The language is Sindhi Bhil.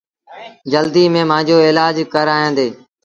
جلديٚ ميݩ مآݩجو ايلآج ڪرآيآندي